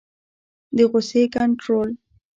د غصې کنټرول